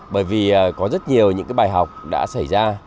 bởi vì có rất nhiều những cái bài học đã xảy ra